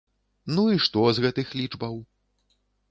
Ну і што з гэтых лічбаў?